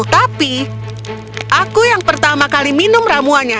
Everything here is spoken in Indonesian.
tapi aku yang pertama kali minum ramuannya